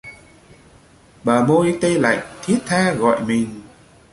Bờ môi tê lạnh thiết tha gọi mình